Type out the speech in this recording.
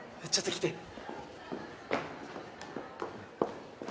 ちょっと来て。